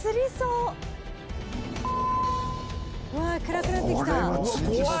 「うわ暗くなってきた」